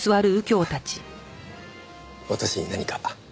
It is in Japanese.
私に何か？